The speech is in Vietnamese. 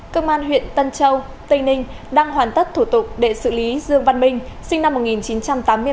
công an huyện tân châu tây ninh đang hoàn tất thủ tục để xử lý dương văn minh sinh năm một nghìn chín trăm tám mươi ba